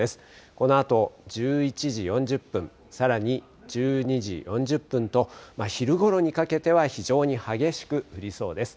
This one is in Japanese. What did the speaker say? このあと１１時４０分、さらに１２時４０分と、昼ごろにかけては非常に激しく降りそうです。